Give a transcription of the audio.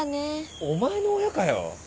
お前の親かよ。